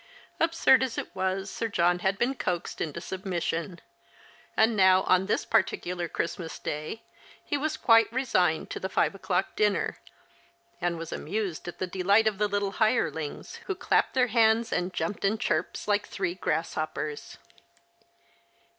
Absurd as it was, Sir John had been coaxed into sub mission ; and now on this particular Christmas Day he was quite resigned to the five o'clock dinner, and was amused at the delight of the little hirelings, who clapped their hands and jumped and chirjied like three grasshoppers.